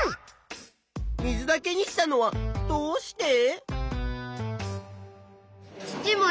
水だけにしたのはどうして？